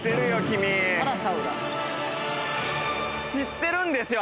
君知ってるんですよ